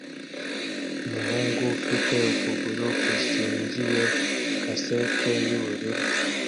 umuhungu ufite ukuguru kuzingiye kaseti y'ubururu